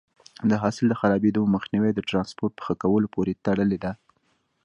د حاصل د خرابېدو مخنیوی د ټرانسپورټ په ښه کولو پورې تړلی دی.